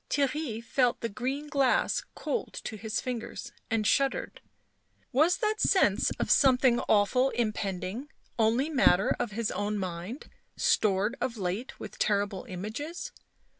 Theirry felt the green glass cold to his fingers and shuddered ; was that sense of something awful impending only matter of his own mind, stored of late with terrible images